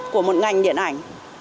của một ngành điện ảnh